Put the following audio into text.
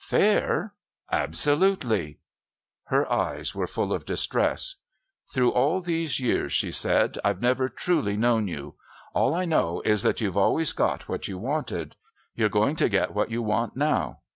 "Fair? Absolutely." Her eyes were full of distress. "Through all these years," she said, "I've never truly known you. All I know is that you've always got what you wanted. You're going to get what you want now.